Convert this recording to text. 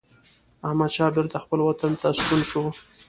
احمدشاه بیرته خپل وطن ته ستون شو.